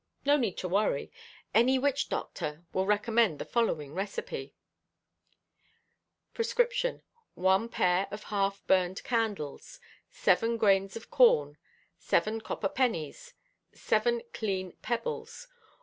No need to worry; any witch doctor will recommend the following recipe. Rx 1 Pair half burned candles. 7 Grains of corn. 7 Copper pennies. 7 Clean pebbles.